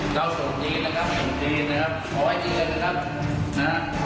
เราส่งจีนนะครับจีนนะครับขอไว้จีนเลยนะครับนะฮะ